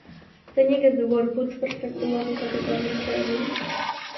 Zeinek ez du gorputz perfektu bat izateko ametsa egin?